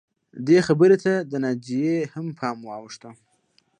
دې خبرې ته د ناجیې هم پام واوښته